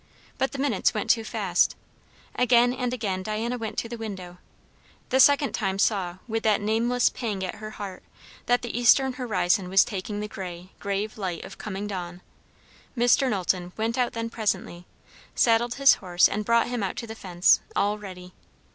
But the minutes went too fast. Again and again Diana went to the window; the second time saw, with that nameless pang at her heart, that the eastern horizon was taking the grey, grave light of coming dawn. Mr. Knowlton went out then presently, saddled his horse, and brought him out to the fence, all ready.